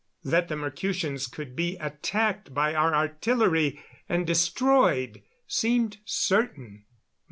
That the Mercutians could be attacked by our artillery and destroyed seemed certain.